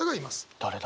誰だ？